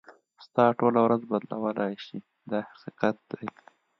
ستا ټوله ورځ بدلولای شي دا حقیقت دی.